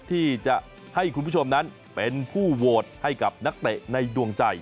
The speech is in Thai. ที่จะให้คุณผู้ชมนั้นเป็นผู้โหวตให้กับนักเตะในดวงใจ